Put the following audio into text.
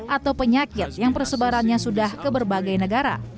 atau penyakit yang persebarannya sudah ke berbagai negara